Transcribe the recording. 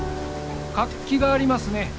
活気がありますね。